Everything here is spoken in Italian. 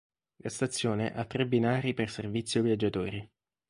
La stazione ha tre binari per servizio viaggiatori.